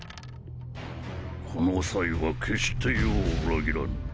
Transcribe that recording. このサイは決して余を裏切らぬ。